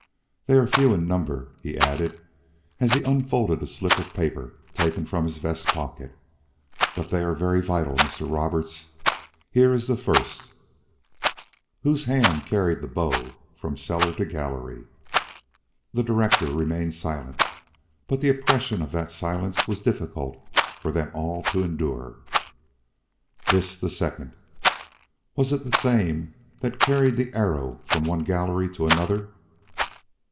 They are few in number," he added, as he unfolded a slip of paper taken from his vest pocket. "But they are very vital, Mr. Roberts. Here is the first: "'Whose hand carried the bow from cellar to gallery?'" The director remained silent; but the oppression of that silence was difficult for them all to endure. "This the second: "'Was it the same that carried the arrow from one gallery to another?'"